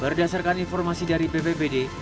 berdasarkan informasi dari ppbd